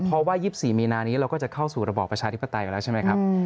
เพราะว่า๒๔มีนานี้เราก็จะเข้าสู่ระบอบประชาธิปไตยกันแล้วใช่ไหมครับ